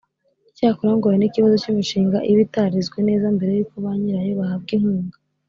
Icyakora ngo hari n’ikibazo cy’imishinga iba itarizwe neza mbere y’uko ba nyirayo bahabwa inkunga